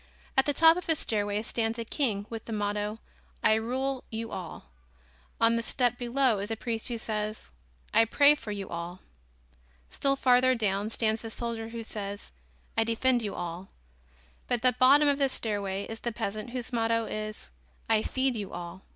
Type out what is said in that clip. At the top of a stairway stands a king with the motto: "I rule you all," on a step below is a priest who says: "I pray for you all;" still farther down stands the soldier who says: "I defend you all;" but at the bottom of the stairway is the peasant whose motto is: "I feed you all."